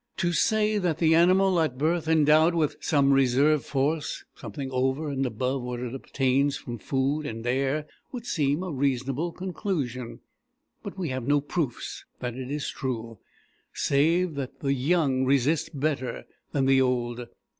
To say that the animal is at birth endowed with some reserve force, something over and above what it obtains from food and air, would seem a reasonable conclusion; but we have no proofs that it is true, save that the young resist better than the old.